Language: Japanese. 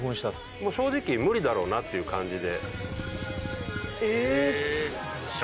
もう正直無理だろうなっていう感じで。